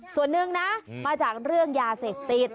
ส่วนหนึ่งนะมาจากเรื่องยาเสพติด